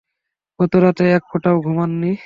গত রাতে এক ফোঁটাও ঘুমোন নি।